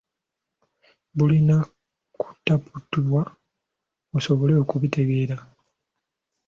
Bulina kutaputibwa okusobola okubutegeera.